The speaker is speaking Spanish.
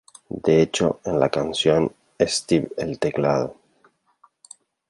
De hecho en la canción, Steve el teclado.